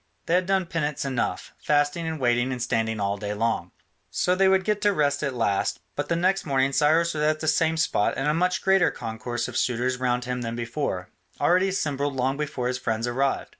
They had done penance enough, fasting and waiting and standing all day long. So they would get to rest at last, but the next morning Cyrus was at the same spot and a much greater concourse of suitors round him than before, already assembled long before his friends arrived.